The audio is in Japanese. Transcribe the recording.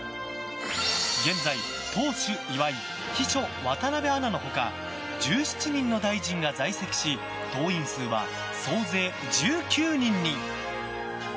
現在、党首・岩井秘書・渡邊アナの他１７人の大臣が在籍し党員数は総勢１９人に！